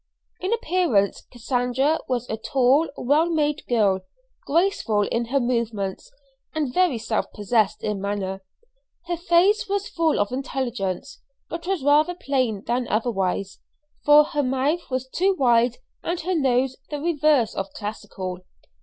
In appearance Cassandra was a tall, well made girl, graceful in her movements, and very self possessed in manner. Her face was full of intelligence, but was rather plain than otherwise, for her mouth was too wide and her nose the reverse of classical.